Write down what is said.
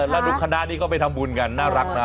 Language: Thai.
แล้วดูคณะนี้ก็ไปทำบุญกันน่ารักนะ